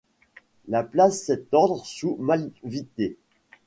La place cet ordre sous Malvidées.